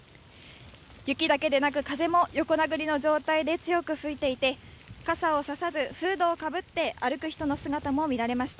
雪だけでなく、風も横殴りの状態で強く吹いていて、傘を差さずフードをかぶって歩く人の姿も見られました。